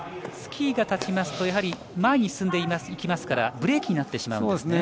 スキーが立ちますと前に進んでいきますからブレーキになってしまいます。